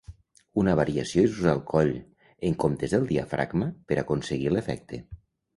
Una variació és usar el coll, en comptes del diafragma, per aconseguir l'efecte.